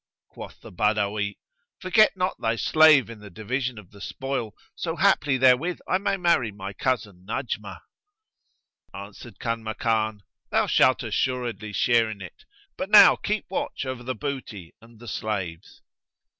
Quoth the Badawi, "Forget not thy slave in the division of the spoil, so haply therewith I may marry my cousin Najmah." Answered Kanmakan, "Thou shalt assuredly share in it, but now keep watch over the booty and the slaves."